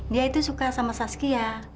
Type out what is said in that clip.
dia itu suka sama saskia